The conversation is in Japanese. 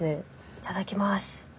いただきます。